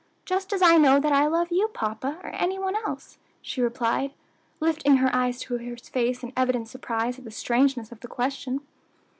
"Just as I know that I love you, papa, or any one else," she replied, lifting her eyes to his face in evident surprise at the strangeness of the question.